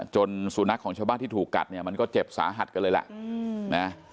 สุนัขของชาวบ้านที่ถูกกัดเนี่ยมันก็เจ็บสาหัสกันเลยแหละนะ